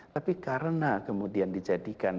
tapi karena kemudian dijadikan